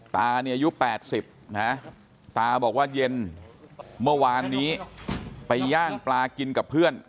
ตาเนี่ยอายุ๘๐นะตาบอกว่าเย็นเมื่อวานนี้ไปย่างปลากินกับเพื่อน